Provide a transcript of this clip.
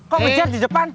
kok kejar di depan